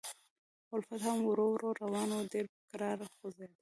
او لفټ هم ورو ورو روان و، ډېر په کراره خوځېده.